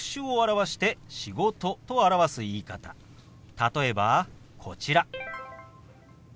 例えばこちら。